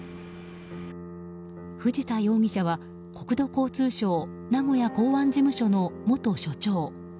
藤田容疑者は、国土交通省名古屋港湾事務所の元所長。